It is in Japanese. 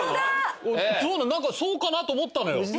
なんかそうかなと思ったのよ。